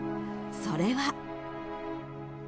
それは］